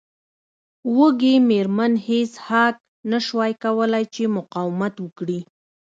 وږې میرمن هیج هاګ نشوای کولی چې مقاومت وکړي